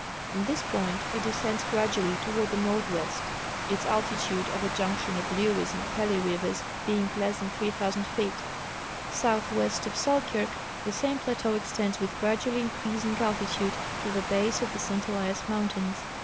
From this point it descends gradually toward the northwest, its altitude at the junction of Lewes and Pelly rivers being less than 3,000 feet. Southwest of Selkirk the same plateau extends with gradually increasing altitude to the base of the St Elias mountains.